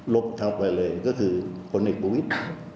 ลบเข้าไปเลยก็คือคนเอกประวิทธิ์